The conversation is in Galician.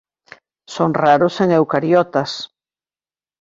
Son raros en eucariotas.